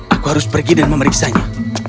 aku harus pergi dan memeriksanya